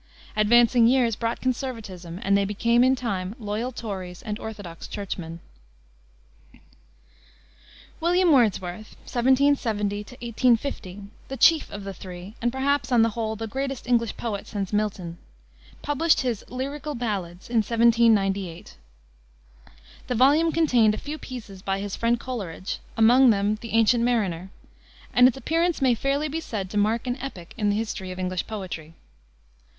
Advancing years brought conservatism, and they became in time loyal Tories and orthodox Churchmen. William Wordsworth (1770 1850), the chief of the three, and, perhaps, on the whole, the greatest English poet since Milton, published his Lyrical Ballads in 1798. The volume contained a few pieces by his friend Coleridge among them the Ancient Mariner and its appearance may fairly be said to mark an epoch in the history of English poetry.